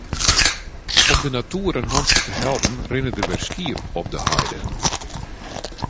Om de natoer in hantsje te helpen rinne der wer skiep op de heide.